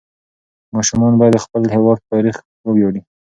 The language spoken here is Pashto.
ماشومان باید د خپل هېواد په تاریخ وویاړي.